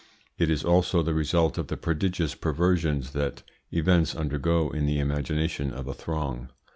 It is also the result of the prodigious perversions that events undergo in the imagination of a throng.